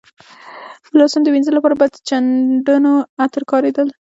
د لاسونو د وینځلو لپاره به د چندڼو عطر کارېدل.